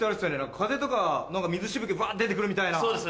風とか水しぶきがファって出て来るみたいな。